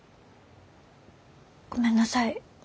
ごめんなさい。